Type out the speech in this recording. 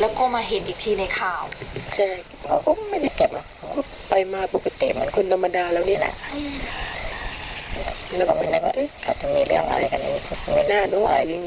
แล้วก็เห็นว่าอาจจะมีเรื่องอะไรกันไม่น่าดูหายอย่างนี้